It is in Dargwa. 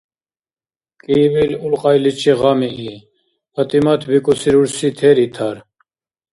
КӀиибил улкьайличи гъамии, ПатӀимат бикӀуси рурси тер итар.